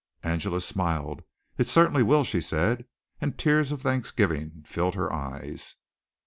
Angela smiled. "It certainly will," she said, and tears of thanksgiving filled her eyes.